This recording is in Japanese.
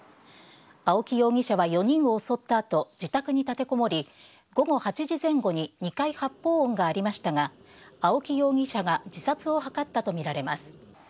青木容疑者は４人を襲ったあと自宅に立てこもり、午後８時前後に２回発砲音がありましたが、青木容疑者が自殺を図ったと見られます。